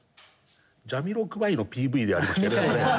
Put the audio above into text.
ジャミロクワイのＰＶでありましたね。